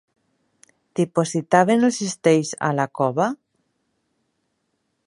Dipositaven els cistells a la cova?